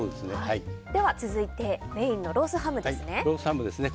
では続いてメインのロースハムですね。